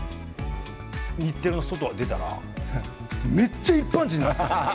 日テレの外、出たら、めっちゃ一般人なんですよ。